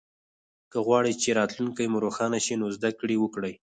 که غواړی چه راتلونکې مو روښانه شي نو زده ګړې وکړئ